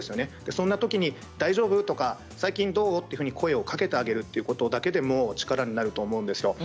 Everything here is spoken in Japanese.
そんなときに大丈夫？とか最近どう？とか声をかけてあげるだけでも力になると思うんですよ。